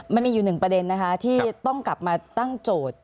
มันมีอยู่หนึ่งประเด็นนะคะที่ต้องกลับมาตั้งโจทย์